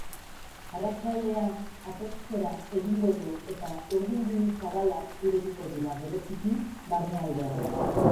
Arratsaldean atertzera egingo du eta urdingune zabalak irekiko dira, bereziki barnealdean.